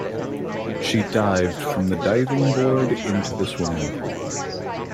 She dived from the diving board into the swimming pool.